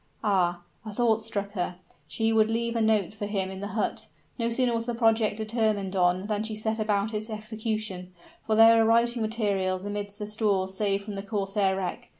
Ah! a thought struck her: she would leave a note for him in the hut! No sooner was the project determined on than she set about its execution; for there were writing materials amidst the stores saved from the corsair wreck.